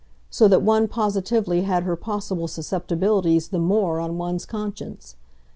so that one positively had her possible susceptibilities the MORE on one's conscience.